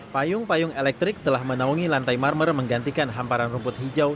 payung payung elektrik telah menaungi lantai marmer menggantikan hamparan rumput hijau